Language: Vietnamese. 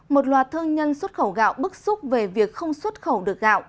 một loạt thương nhân xuất khẩu gạo bức xúc về việc không xuất khẩu được gạo